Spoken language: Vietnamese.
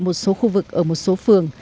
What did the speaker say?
một số khu vực ở một số phường